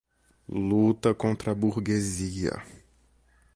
luta contra a burguesia